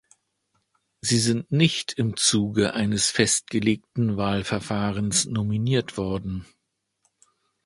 Sie sind nicht im Zuge eines festgelegten Wahlverfahrens nominiert worden.